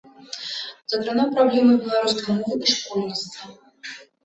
Закранаў праблемы беларускай мовы і школьніцтва.